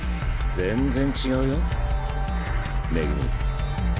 全然違うよ恵。